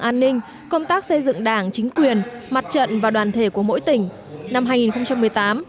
an ninh công tác xây dựng đảng chính quyền mặt trận và đoàn thể của mỗi tỉnh năm hai nghìn một mươi tám